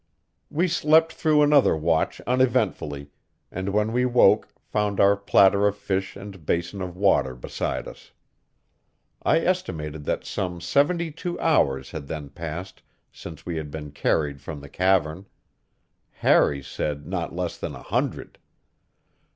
We slept through another watch uneventfully, and when we woke found our platter of fish and basin of water beside us. I estimated that some seventy two hours had then passed since we had been carried from the cavern; Harry said not less than a hundred.